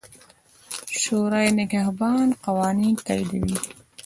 شورای نګهبان قوانین تاییدوي.